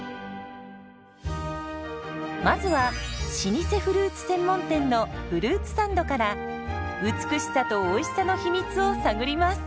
まずは老舗フルーツ専門店のフルーツサンドから美しさとおいしさの秘密を探ります。